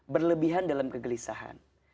berlebihan dalam kegelisahan